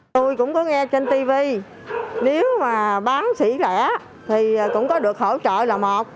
tôi cũng có nghe trên tv nếu mà bán xỉ lẻ thì cũng có được hỗ trợ là một